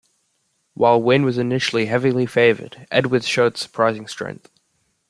While Wynn was initially heavily favored, Edwards showed surprising strength.